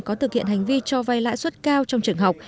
có thực hiện hành vi cho vay lãi suất cao trong trường học